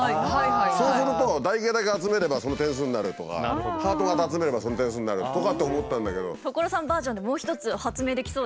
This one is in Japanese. そうすると台形だけ集めればその点数になるとかハート型集めればその点数になるとかって思ったんだけど。